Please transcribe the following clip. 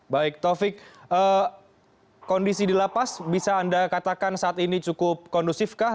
baik taufik kondisi di lapas bisa anda katakan saat ini cukup kondusif kah